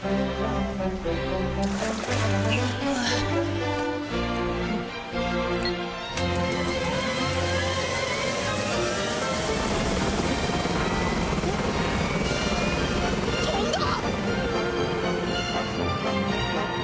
とんだ！？